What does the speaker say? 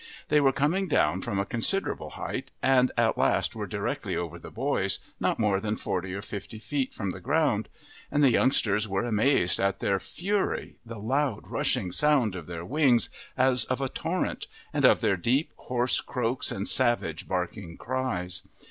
They were coming down from a considerable height, and at last were directly over the boys, not more than forty or fifty feet from the ground; and the youngsters were amazed at their fury, the loud, rushing sound of their wings, as of a torrent, and of their deep, hoarse croaks and savage, barking cries.